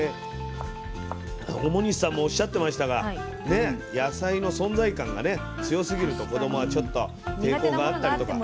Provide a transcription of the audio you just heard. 表西さんもおっしゃってましたが野菜の存在感が強すぎると子どもはちょっと抵抗があったりとか。